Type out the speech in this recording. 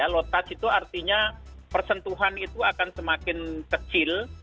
lotat itu artinya persentuhan itu akan semakin kecil